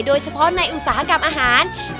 โดยเฉพาะในอุตสาหกรรมอาหาร